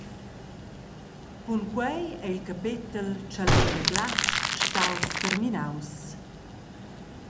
Cun quei ei il capetel tschaler da glatsch staus terminaus.